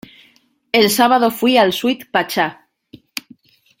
El sábado fui al Sweet Pachá.